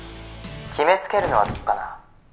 「決めつけるのはどうかな」